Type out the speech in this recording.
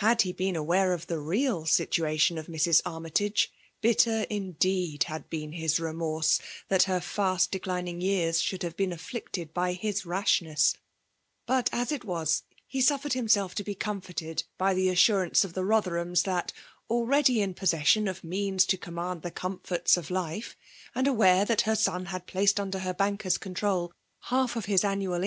Had he been aware of the real situation of Mrs. Armytage, bitter indeed had been his remorse that her fast declining years should have been afflicted by his rashness ; but, as it was, he suffered himself to be comforted by the as surance of the Botherhams that, already in possession of means to command the comforts of life, and aware that her son had placed under her banker's control half of his annual p2 316 FEMALR DOMINATION.